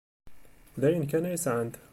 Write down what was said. D ayen kan ay sɛant.